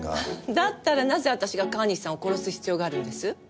だったらなぜ私が川西さんを殺す必要があるんです？